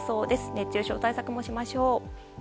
熱中症対策もしましょう。